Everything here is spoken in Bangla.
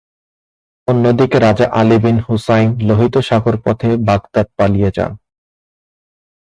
অন্যদিকে রাজা আলি বিন হুসাইন লোহিত সাগর পথে বাগদাদ পালিয়ে যান।